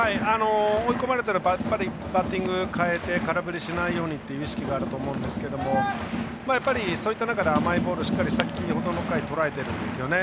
追い込まれたらバッティングを変えて空振りしないようにという意識があると思いますがやっぱりそういった中で甘いボール、先ほどの回はとらえているんですよね。